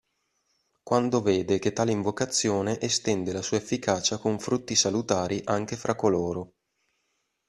Quando vede che tale invocazione estende la sua efficacia con frutti salutari anche fra coloro.